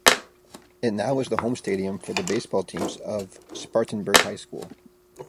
It now is the home stadium for the baseball teams of Spartanburg High School.